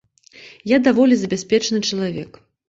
Я даволі забяспечаны чалавек.